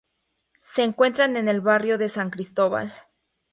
Se encuentran en el barrio de San Cristóbal.